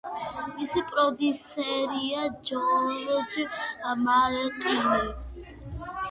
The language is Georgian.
მისი პროდიუსერია ჯორჯ მარტინი.